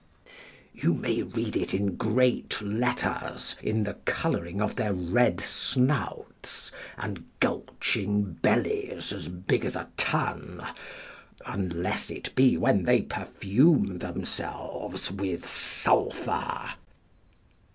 You may read it in great letters in the colouring of their red snouts, and gulching bellies as big as a tun, unless it be when they perfume themselves with sulphur.